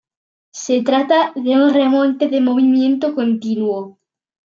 Se trata de un remonte de movimiento continuo.